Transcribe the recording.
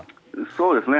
そうですね。